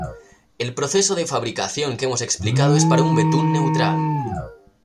El proceso de fabricación que hemos explicado es para un betún neutral.